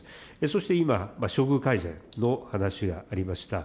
そして今、処遇改善の話がありました。